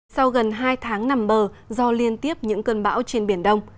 sau gần hai tháng nằm bờ do liên tiếp những cơn bão trên biển đông